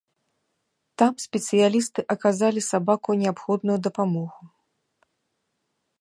Там спецыялісты аказалі сабаку неабходную дапамогу.